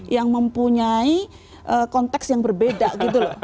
yang mempunyai konteks yang berbeda gitu loh